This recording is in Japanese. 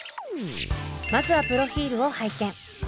まずはプロフィールを拝見。